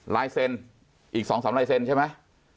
ลายเซ็นอีกสองสามลายเซ็นใช่ไหม